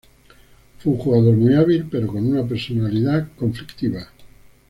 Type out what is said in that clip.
Fue un jugador muy hábil, pero con una personalidad conflictiva.